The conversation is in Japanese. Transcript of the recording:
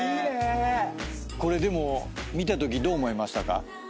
これでも見たときどう思いましたか？